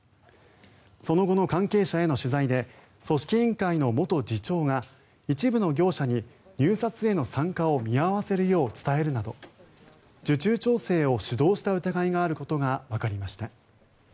その後の関係者への取材で組織委員会の元次長が一部の業者に入札への参加を見合わせるよう伝えるなど受注調整を主導した疑いがあることがわかりました。